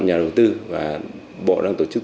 nhà đầu tư và bộ đang tổ chức